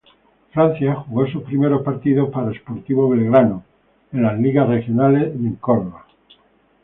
Francia jugó sus primeros partidos para Sportivo Belgrano en las ligas regionales en Córdoba.